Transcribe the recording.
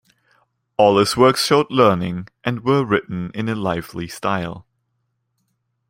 All his works showed learning, and were written in a lively style.